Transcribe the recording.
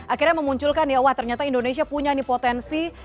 akhirnya memunculkan ya wah ternyata indonesia punya nih potensi